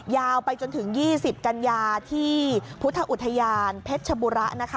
ยาวไปจนถึง๒๐กันยาที่พุทธอุทยานเพชรชบุรีนะคะ